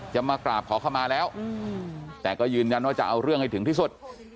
จะมากราบขอเข้ามาแล้วแต่ก็ยืนยันว่าจะเอาเรื่องให้ถึงที่สุด